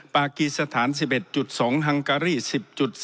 ปากีสถาน๑๑๒ฮังการี๑๐๔